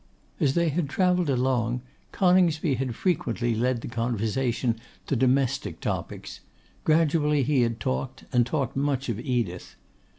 As they had travelled along, Coningsby had frequently led the conversation to domestic topics; gradually he had talked, and talked much of Edith.